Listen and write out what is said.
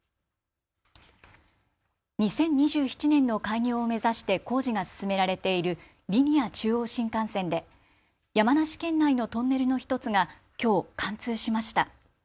２０２７年の開業を目指して工事が進められているリニア中央新幹線で山梨県内のトンネルの１つがきょう貫通しました。